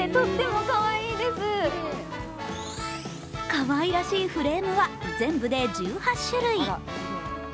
かわいらしいフレームは全部で１８種類。